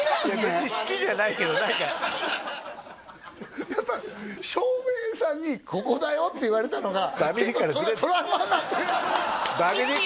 別に好きじゃないけど何かやっぱり照明さんに「ここだよ」って言われたのが結構トラウマになって位置をね